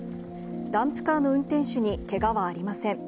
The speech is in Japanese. ダンプカーの運転手にけがはありません。